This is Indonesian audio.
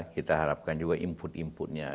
kita harapkan juga input inputnya